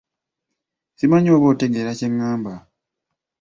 Simanyi oba otegeera kye ngamba.